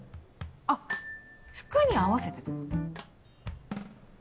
あっ服に合わせてとか？